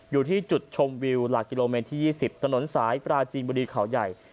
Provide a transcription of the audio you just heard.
อยู่ที่จุดชมวิวหลักกิโลเมตรที่๒๐ถนนสายปราจีนบุรีเขาใหญ่